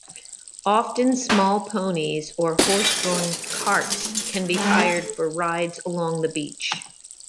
Often small ponies or horse-drawn carts can be hired for rides along the beach.